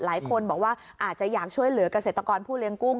หลายคนบอกว่าอาจจะอยากช่วยเหลือกเกษตรกรผู้เลี้ยงกุ้ง